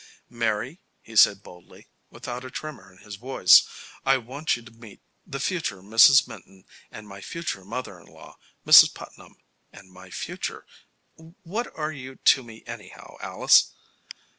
"Mary," he said boldly, without a tremor in his voice, "I want you to meet the future Mrs. Minton, and my future mother in law, Mrs. Putnam, and my future what are you to me, anyhow, Alice?"